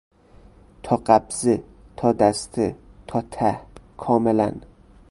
تا قبضه، تا دسته، تا ته، کاملا